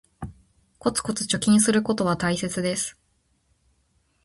コツコツ貯金することは大切です